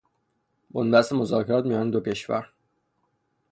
بن بست مذاکرات میان دو کشور